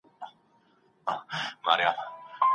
نوي کارونه ستاسو وړتیاوې ازمويي.